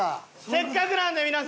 せっかくなんで皆さん。